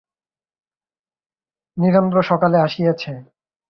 নীরেন তো পছন্দই করে গিয়েচেন-কি জানি কি হল আদেষ্টে!